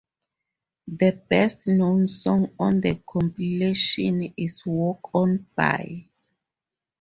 The best known song on the compilation is "Walk On By".